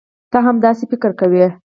تۀ هم داسې فکر کوې؟